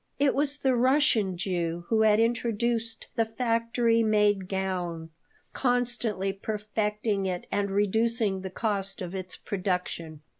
It was the Russian Jew who had introduced the factory made gown, constantly perfecting it and reducing the cost of its production.